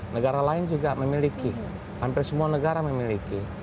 negara lain juga memiliki hampir semua negara memiliki